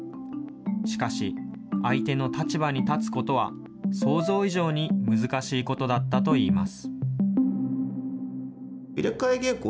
しかし、相手の立場に立つことは想像以上に難しいことだったといいます。